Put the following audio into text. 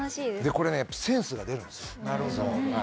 これねセンスが出るんですよ。